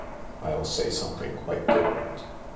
" I'll say something quite different.